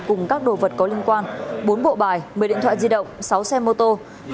cùng các đồ vật có liên quan bốn bộ bài một mươi điện thoại di động sáu xe mô tô